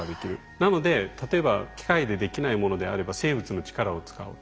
なので例えば機械でできないものであれば生物の力を使うと。